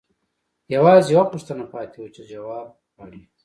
یوازې یوه پوښتنه پاتې وه چې ځواب غواړي